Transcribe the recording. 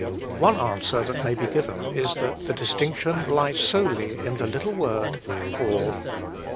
One answer that may be given is that the distinction lies solely in the little word, all.